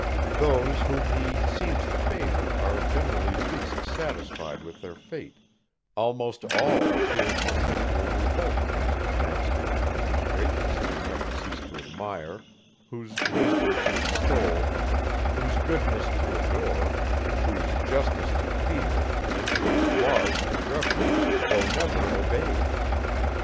Those, whom he seems to favour are generally least satisfied with their fate; almost all appear in perpetual revolt against a master, whose greatness they never cease to admire, whose wisdom to extol, whose goodness to adore, whose justice to fear, and whose laws to reverence, though never obeyed!